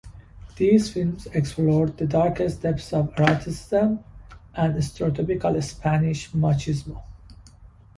These films explored the darkest depths of eroticism and stereotypical Spanish machismo.